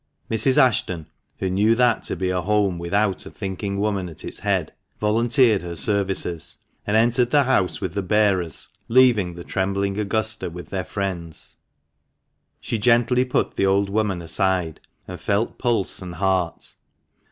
Mrs. Ashton, who knew that to be a home without a thinking woman at its head, volunteered her services, and entered the house with the bearers, leaving the trembling Augusta with their friends. She gently put the old woman aside, and felt pulse and heart.